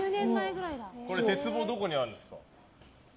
鉄棒、どこにあるんですか。